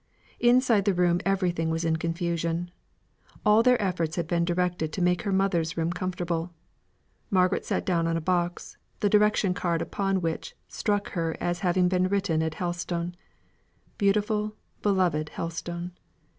Inside the room everything was in confusion. All their efforts had been directed to make her mother's room comfortable. Margaret sat down on a box, the direction card upon which struck her as having been written at Helstone beautiful, beloved Helstone!